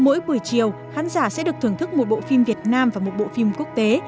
mỗi buổi chiều khán giả sẽ được thưởng thức một bộ phim việt nam và một bộ phim quốc tế